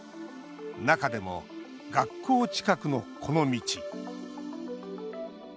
中でも学校近くの、この道。